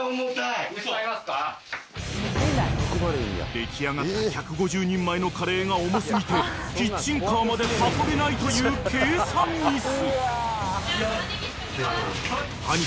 ［出来上がった１５０人前のカレーが重過ぎてキッチンカーまで運べないという計算ミス］